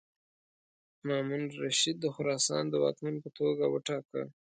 مامون الرشید د خراسان د واکمن په توګه وټاکه.